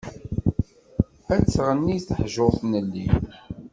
Ad tɣenni teḥjurt n llim.